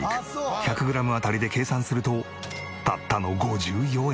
１００グラム当たりで計算するとたったの５４円。